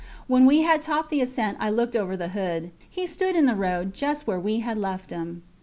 When we had topped the ascent I looked over the hood. He stood in the road just where we had left him.